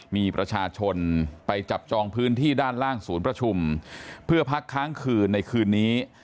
มีประชาชนไปจับจองพื้นที่ด้านล่างศูนย์ประชุมเพื่อพักค้างคืนในคืนนี้